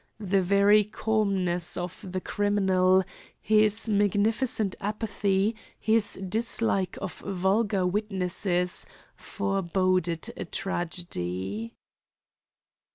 The very calmness of the criminal, his magnificent apathy, his dislike of vulgar witnesses, foreboded a tragedy.